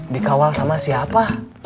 dikawal sama siapa